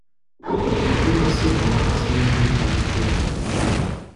This decision has since been overturned.